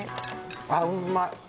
あっうまい！